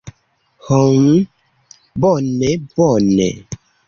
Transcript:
"Hm, bone bone."